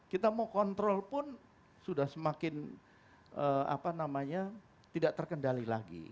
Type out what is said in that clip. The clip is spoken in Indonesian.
kita mau kontrol pun sudah semakin tidak terkendali lagi